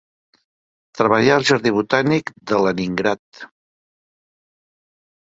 Treballà al jardí botànic de Leningrad.